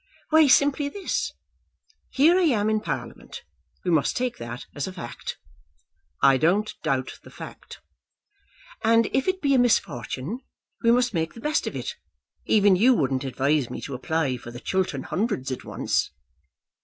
"Why simply this. Here I am in Parliament. We must take that as a fact." "I don't doubt the fact." "And if it be a misfortune, we must make the best of it. Even you wouldn't advise me to apply for the Chiltern Hundreds at once."